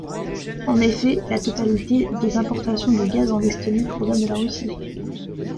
En effet, la totalité des importations de gaz en Estonie provient de la Russie.